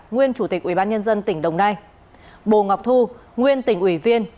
nguyên chủ tịch ubnd tỉnh đồng nai bồ ngọc thu nguyên tỉnh ủy viên